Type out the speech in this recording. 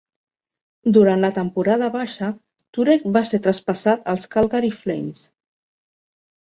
Durant la temporada baixa, Turek va ser traspassat als Calgary Flames.